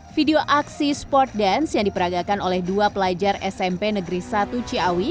video aksi sport dance yang diperagakan oleh dua pelajar smp negeri satu ciawi